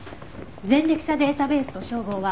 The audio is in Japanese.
前歴者データベースと照合は？